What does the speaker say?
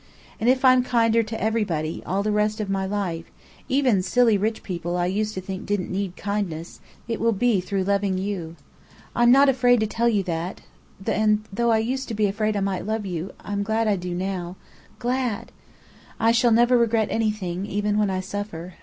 And if I'm kinder to everybody, all the rest of my life even silly rich people I used to think didn't need kindness it will be through loving you. I'm not afraid to tell you that, and though I used to be afraid I might love you, I'm glad I do, now glad! I shall never regret anything, even when I suffer.